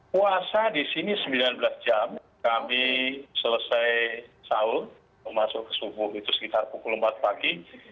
puasa di sini sembilan belas jam kami selesai sahur masuk ke subuh itu sekitar pukul empat pagi